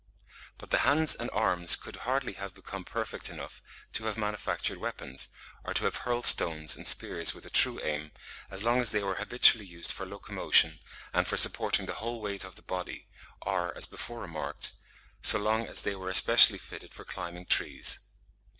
But the hands and arms could hardly have become perfect enough to have manufactured weapons, or to have hurled stones and spears with a true aim, as long as they were habitually used for locomotion and for supporting the whole weight of the body, or, as before remarked, so long as they were especially fitted for climbing trees.